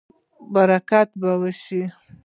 برکت به وشي